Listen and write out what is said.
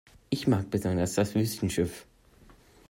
Ich mag besonders das Wüstenschiff.